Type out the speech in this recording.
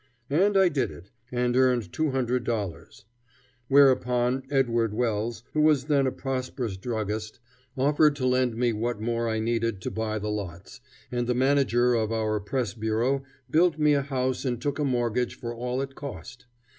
And I did it, and earned $200; whereupon Edward Wells, who was then a prosperous druggist, offered to lend me what more I needed to buy the lots, and the manager of our Press Bureau built me a house and took a mortgage for all it cost.